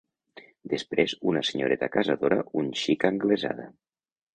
Després una senyoreta casadora, un xic anglesada